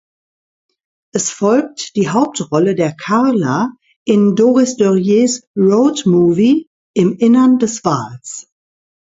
Es folgt die Hauptrolle der „Carla“ in Doris Dörries Roadmovie "Im Innern des Wals".